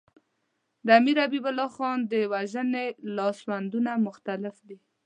د امیر حبیب الله خان د وژنې لاسوندونه مختلف دي.